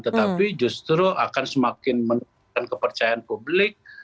tetapi justru akan semakin menurunkan kepercayaan publik